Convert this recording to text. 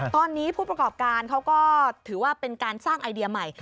ตอนนี้ผู้ประกอบการเขาก็ถือว่าเป็นการสร้างไอเดียใหม่